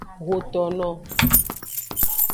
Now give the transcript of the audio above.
Xotono.